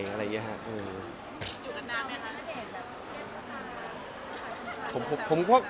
อยู่กันด้านไหมคะ